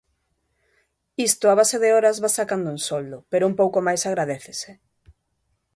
Isto a base de horas vas sacando un soldo, pero un pouco máis agradécese.